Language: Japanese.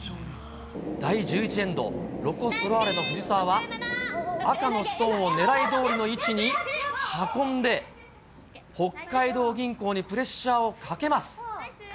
第１１エンド、ロコ・ソラーレの藤澤は、赤のストーンを狙いどおりの位置に運んで、北海道銀行にプレッシャーをかけます。